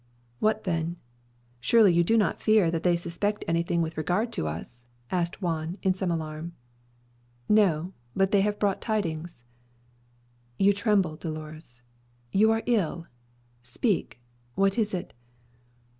"What then? Surely you do not fear that they suspect anything with regard to us?" asked Juan, in some alarm. "No; but they have brought tidings." "You tremble, Dolores. You are ill. Speak what is it?"